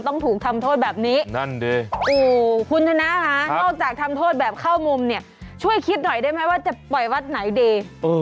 ต้องถูกทำโทษแบบนี้นั่นดิคุณธนาค่ะนอกจากทำโทษแบบเข้ามุมเนี่ยช่วยคิดหน่อยได้ไหมว่าจะปล่อยวัดไหนดี